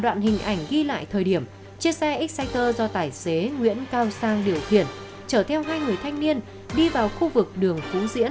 đoạn hình ảnh ghi lại thời điểm chiếc xe exciter do tài xế nguyễn cao sang điều khiển chở theo hai người thanh niên đi vào khu vực đường phú diễn